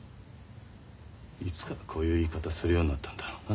いつからこういう言い方するようになったんだろうな。